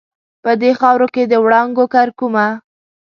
په دې خاورو کې د وړانګو کرکومه